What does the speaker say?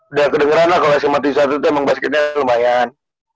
udah kedengeran lah kalo sma tujuh puluh satu itu emang basketnya lumayan